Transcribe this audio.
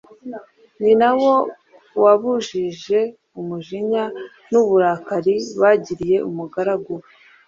ni nawo wabujuje umujinya n’uburakari bagiriye umugaragu we;